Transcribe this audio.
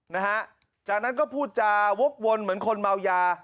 นะฮะจากนั้นก็พูดจาวกวนเหมือนคนเมายา